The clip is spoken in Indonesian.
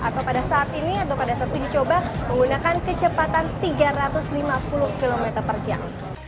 atau pada saat ini atau pada saat uji coba menggunakan kecepatan tiga ratus lima puluh km per jam